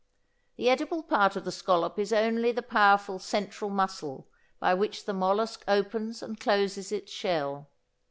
The edible part of the scallop is only the powerful central muscle by which the mollusk opens and closes its shell.